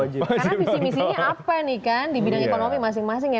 karena visi visinya apa nih kan di bidang ekonomi masing masing ya